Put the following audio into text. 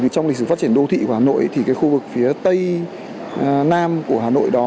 trong lịch sử phát triển đô thị của hà nội thì khu vực phía tây nam của hà nội đó